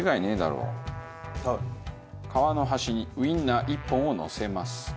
皮の端にウインナー１本をのせます。